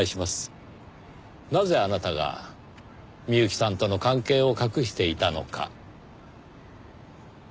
なぜあなたが美由紀さんとの関係を隠していたのか。